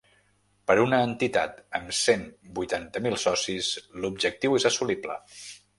Per una entitat amb cent vuitanta mil socis, l’objectiu és assolible.